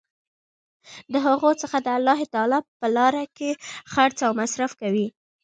د هغو څخه د الله تعالی په لاره کي خرچ او مصر ف کوي